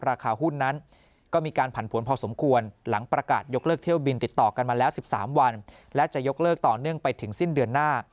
ราคาหุ้นนั้นก็มีการผันผวนพอสมควรหลังประกาศยกเลิกเที่ยวบินติดต่อกันมาแล้ว๑๓วันและจะยกเลิกต่อเนื่องไปถึงสิ้นเดือนหน้า